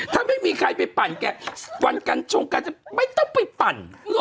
ถ้าไม่มีใครไปปั่นแกวันการชมกันจะไม่ต้องไปปั่นหรอก